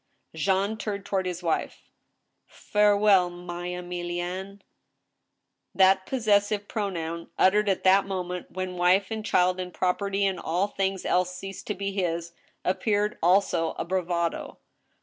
Jean turned toward his wife. " Farewell, my Emilienne !" That possessive pronoun uttered at the moment when wife and child and property and all things else ceased to be his, appeared also a bravado.